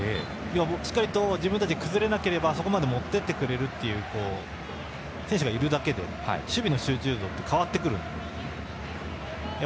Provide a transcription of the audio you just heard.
しっかり自分たちが崩れなければあそこまで持っていってくれる選手がいるだけで守備の集中力が変わってくるので。